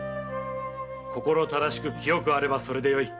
心正しく清くあればそれでよい。